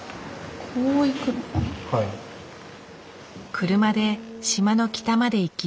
車で島の北まで行き